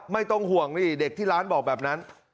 ไม่ต้องห่วงนี่เด็กที่ร้านบอกแบบนั้น